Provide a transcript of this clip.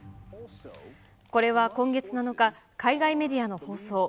これは今月７日、海外メディアの放送。